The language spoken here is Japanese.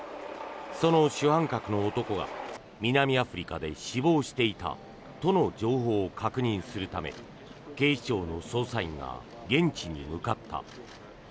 その主犯格の男が南アフリカで死亡していたとの情報を確認するため警視庁の捜査員が現地に向かった。